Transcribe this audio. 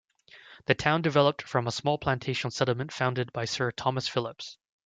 The town developed from a small Plantation settlement founded by Sir Thomas Phillips.